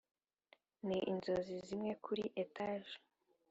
ni inzozi zimwe kuri etage,